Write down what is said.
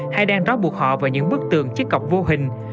hay đang rót buộc họ vào những bức tường chiếc cọc vô hình